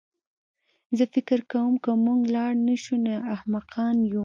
زه فکر کوم که موږ لاړ نه شو نو احمقان یو